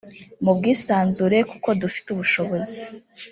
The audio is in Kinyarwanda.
mu bwisanzure kuko dufite ubushobozi”